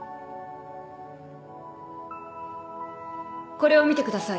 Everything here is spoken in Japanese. これを見てください。